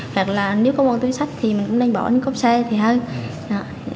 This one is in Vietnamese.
hoặc là nếu có một túi sách thì mình cũng đánh bỏ những cốc xe thì hơn